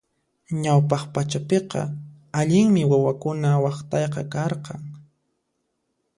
Ñawpaq pachapiqa allinmi wawakuna waqtayqa karqan.